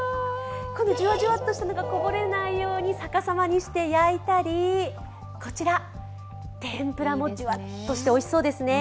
ジュワジュワっとしたのがこぼれないように逆さまにして焼いたりこちら、天ぷらもジュワッとしておいしそうですね。